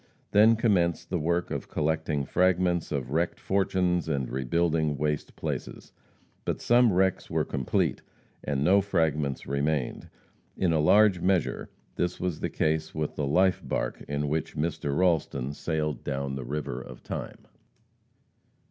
Then commenced the work of collecting fragments of wrecked fortunes and rebuilding waste places. But some wrecks were complete, and no fragments remained. In a large measure this was the case with the life barque in which Mr. Ralston sailed down the river of time.